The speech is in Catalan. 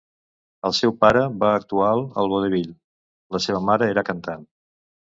El seu pare va actual al vodevil; la seva mare era cantant.